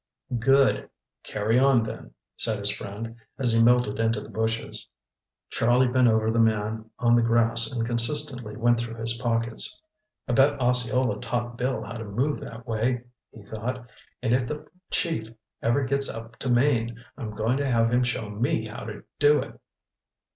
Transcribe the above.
"Good. Carry on, then," said his friend, as he melted into the bushes. Charlie bent over the man on the grass and consistently went through his pockets. "I'll bet Osceola taught Bill how to move that way," he thought, "and if the chief ever gets up to Maine, I'm going to have him show me how to do it."